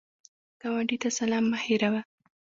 ګاونډي ته سلام مه هېروه